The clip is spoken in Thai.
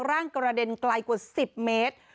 ร่างกระเด็นไกลกว่า๑๐เมตร